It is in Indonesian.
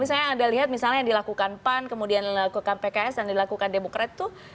misalnya anda lihat misalnya yang dilakukan pan kemudian dilakukan pks dan dilakukan demokrat tuh